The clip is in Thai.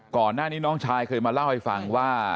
ก่อนหน้านี้น้องชายเคยมาเล่าให้ฟังว่า